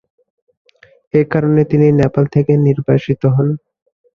এ কারণে তিনি নেপাল থেকে নির্বাসিত হন।